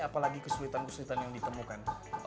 apalagi kesulitan kesulitan yang ditemukan